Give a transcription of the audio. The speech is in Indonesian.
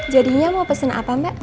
jadinya mau pesen apa mbak